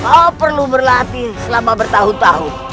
oh perlu berlatih selama bertahun tahun